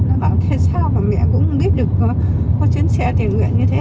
nó bảo thế sao mà mẹ cũng biết được có chiếc xe tiền nguyện như thế